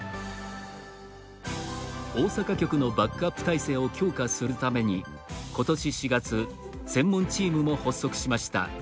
大阪局のバックアップ体制を強化するためにことし４月専門チームも発足しました。